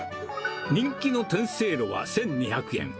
人気の天せいろは１２００円。